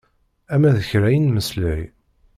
Ama d kra i nemmeslay.